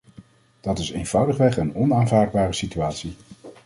Dat is eenvoudigweg een onaanvaardbare situatie.